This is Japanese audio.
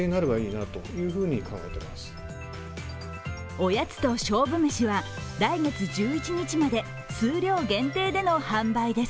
おやつと勝負めしは来月１１日まで数量限定での販売です。